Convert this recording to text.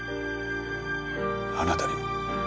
あなたにも。